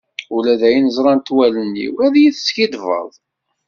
Ula d ayen ẓrant wallen-iw ad iyi-teskiddbeḍ.